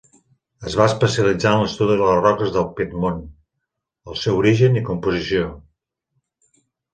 Es va especialitzar en l'estudi de les roques de Piedmont, el seu origen i composició.